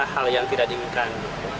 hal yang tidak diinginkan